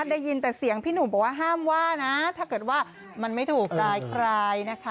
ได้ยินแต่เสียงพี่หนุ่มบอกว่าห้ามว่านะถ้าเกิดว่ามันไม่ถูกใจใครนะคะ